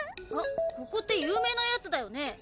あっここって有名なやつだよね？